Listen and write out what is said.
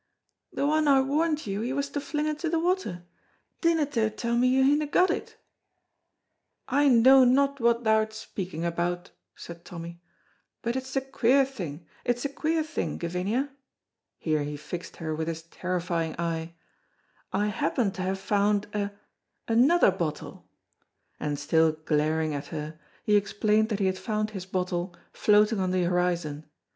"The ane I warned you he was to fling into the water; dinna dare tell me you hinna got it." "I know not what thou art speaking about," said Tommy; "but it's a queer thing, it's a queer thing, Gavinia" here he fixed her with his terrifying eye "I happen to have found a another bottle," and still glaring at her he explained that he had found his bottle floating on the horizon.